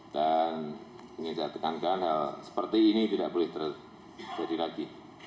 dan ingin saya tekankan hal seperti ini tidak boleh terjadi lagi